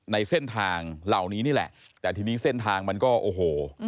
ในเส้นทางเหล่านี้นี่แหละแต่ทีนี้เส้นทางมันก็โอ้โห